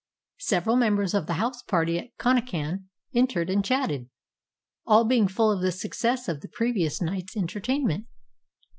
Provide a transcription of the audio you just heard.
Several members of the house party at Connachan entered and chatted, all being full of the success of the previous night's entertainment.